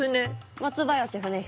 松林船彦。